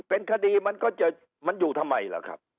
เป็นคดีมันอยู่ทำไมล่ะครับ